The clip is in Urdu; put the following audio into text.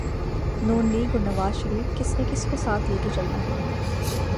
نون لیگ اور نوازشریف کس نے کس کو ساتھ لے کے چلنا ہے۔